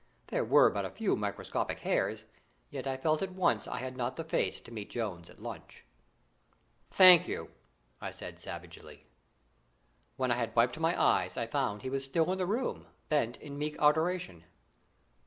There were but a few microscopic hairs, yet I felt at once I had not the face to meet Jones at lunch. "Thank you!" I said savagely. When I had wiped my eyes I found he was still in the room, bent in meek adoration.